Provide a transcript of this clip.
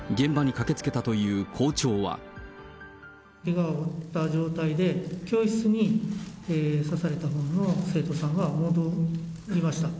けがを負った状態で、教室に刺されたほうの生徒さんが戻りました。